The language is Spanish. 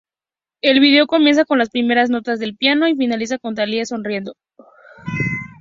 El vídeo comienza con las primeras notas del piano y finaliza con Thalia sonriendo.